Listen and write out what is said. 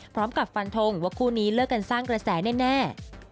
พร้อมกับฟันทงว่าคู่นี้เลิกกันสร้างกระแสแน่